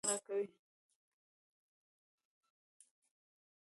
او هغه جبار ظلم ماته دومره وخت نه راکوي.